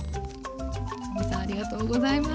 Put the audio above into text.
真海さんありがとうございます。